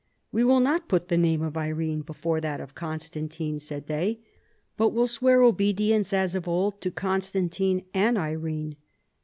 " We will not put the name of Irene before that of Constantine," said they, " but will swear obedience as of old to Con stantine and Irene."